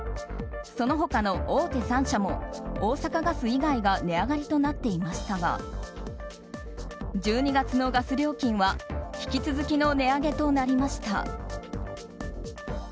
その他の大手３社も大阪ガス以外が値上がりとなっていましたが１２月のガス料金は引き続きの値上げとなりました。